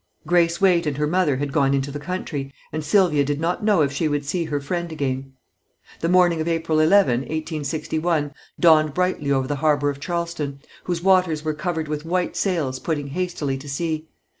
Grace Waite and her mother had gone into the country, and Sylvia did not know if she would see her friend again. The morning of April 11, 1861, dawned brightly over the harbor of Charleston, whose waters were covered with white sails putting hastily to sea.